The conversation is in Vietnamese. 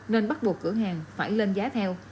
nên bắt buộc cửa hàng phải lên giá theo